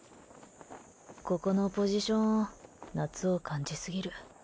ここのポジション夏を感じすぎる。